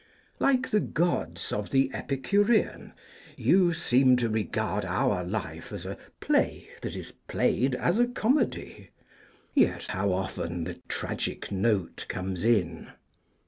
Like the Gods of the Epicurean, you seem to regard our life as a play that is played, as a comedy; yet how often the tragic note comes in!